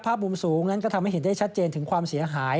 ภาพมุมสูงนั้นก็ทำให้เห็นได้ชัดเจนถึงความเสียหาย